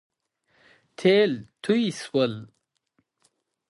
تېل توی شول